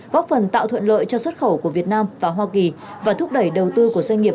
góp phần tạo thuận lợi cho xuất khẩu của việt nam và hoa kỳ và thúc đẩy đầu tư của doanh nghiệp